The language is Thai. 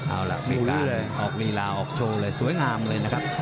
เอาล่ะมีการออกลีลาออกโชว์เลยสวยงามเลยนะครับ